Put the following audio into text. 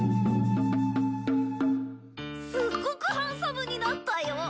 すっごくハンサムになったよ！